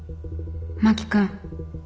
真木君。